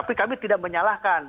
tapi kami tidak menyalahkan